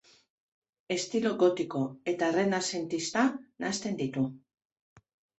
Estilo gotiko eta errenazentista nahasten ditu.